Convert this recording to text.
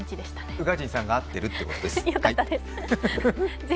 宇賀神さんが合ってるってことです。